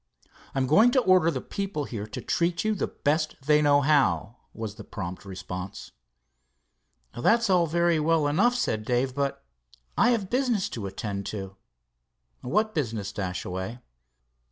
"I am going to order the people here to treat you the best they know how," was the prompt response. "That's all very well enough," said Dave, "but I have business to attend to." "What business, Dashaway?"